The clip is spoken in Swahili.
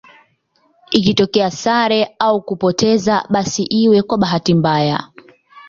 Ikitokea sare au kupoteza basi iwe kwa bahati mbaya